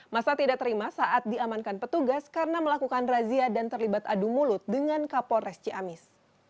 masa tidak terima saat diamankan petugas karena melakukan razia dan terlibat adu mulut dengan kapolres ciamis